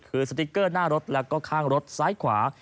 คือสติ๊กเกอร์หน้ารถแล้วก็ข้างรถซ้ายขวา